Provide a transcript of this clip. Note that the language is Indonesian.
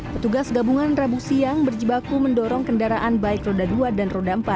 petugas gabungan rabu siang berjebaku mendorong kendaraan baik roda dua dan roda empat